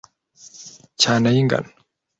cyane ay’ingano